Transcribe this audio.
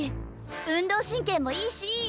運動神経もいいし。